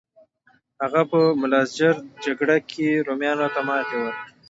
هغه په ملازجرد جګړه کې رومیانو ته ماتې ورکړه.